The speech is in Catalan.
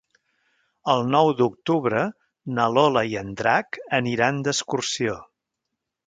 El nou d'octubre na Lola i en Drac aniran d'excursió.